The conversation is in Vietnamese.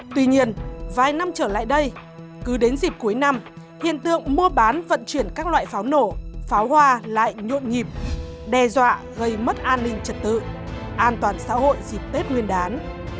tuy nhiên vài năm trở lại đây cứ đến dịp cuối năm hiện tượng mua bán vận chuyển các loại pháo nổ pháo hoa lại nhộn nhịp đe dọa gây mất an ninh trật tự an toàn xã hội dịp tết nguyên đán